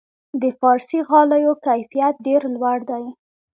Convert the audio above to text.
د فارسي غالیو کیفیت ډیر لوړ دی.